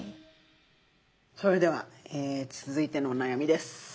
それでは続いてのお悩みです。